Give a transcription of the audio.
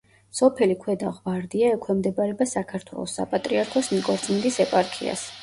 სოფელი ქვედა ღვარდია ექვემდებარება საქართველოს საპატრიარქოს ნიკორწმინდის ეპარქიას.